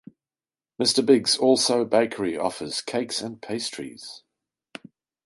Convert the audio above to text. Mr Bigg's also bakery offers cakes and pastries.